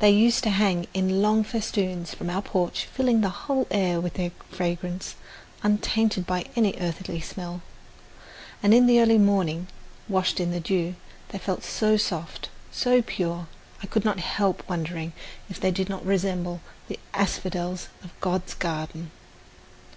They used to hang in long festoons from our porch, filling the whole air with their fragrance, untainted by any earthy smell; and in the early morning, washed in the dew, they felt so soft, so pure, I could not help wondering if they did not resemble the asphodels of God's garden.